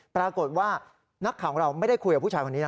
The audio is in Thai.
ปรากฏว่านักข่าวของเราไม่ได้คุยกับผู้ชายคนนี้นะ